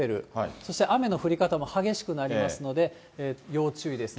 そして雨の降り方も激しくなりますので、要注意ですね。